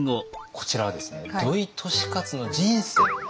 こちらはですね土井利勝の人生をね